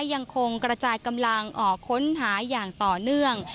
ยังคงกระจายกำลังออกค้นหาอย่างต่อเนื่อง